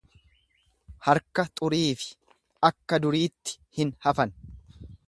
Harka xuriifi akka duriitti hin hafan.